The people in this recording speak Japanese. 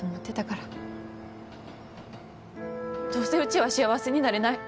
どうせうちは幸せになれない。